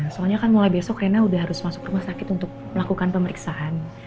soalnya kan mulai besok rena udah harus masuk rumah sakit untuk melakukan pemeriksaan